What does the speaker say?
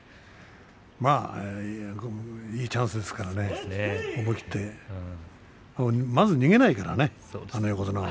まあ、いいチャンスですからね思い切ってまず逃げないからねあの横綱は。